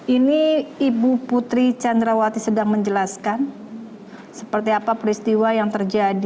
ini ibu putri candrawati sedang menjelaskan seperti apa peristiwa yang terjadi